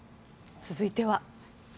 続いては。